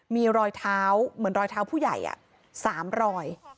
มีรอยเท้าเหมือนรอยเท้าผู้ใหญ่๓รอย